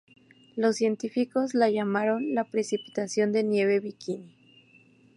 Los científicos la llamaron la precipitación de nieve "Bikini".